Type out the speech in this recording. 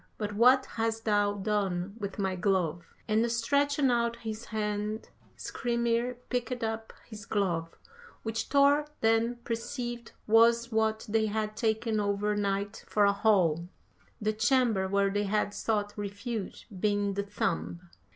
But what hast thou done with my glove?' And stretching out his hand Skrymir picked up his glove, which Thor then perceived was what they had taken over night for a hall, the chamber where they had sought refuge being the thumb.